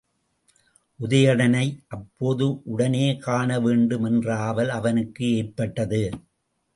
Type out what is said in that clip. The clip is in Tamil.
உதயணனை அப்போது உடனே காணவேண்டும் என்ற ஆவல் அவனுக்கு ஏற்பட்டது.